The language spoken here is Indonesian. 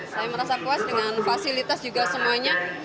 saya merasa puas dengan fasilitas juga semuanya